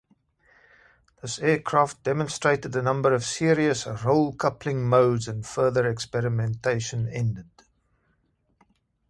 This aircraft demonstrated a number of serious roll-coupling modes and further experimentation ended.